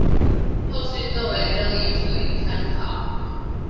後續作為爭議處理參考